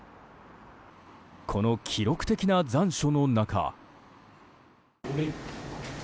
この記録的な残暑の中。